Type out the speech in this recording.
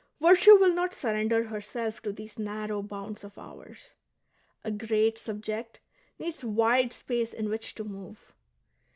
Virtue will not surrender herself to these narrow bounds of ours ; a great subject needs wide space in which to move.